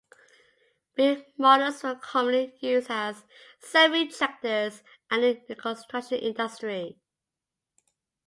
B Models were commonly used as semi tractors and in the construction industry.